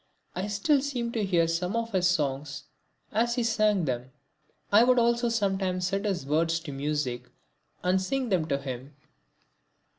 I still seem to hear some of his songs as he sang them. I would also sometimes set his words to music and sing them to him.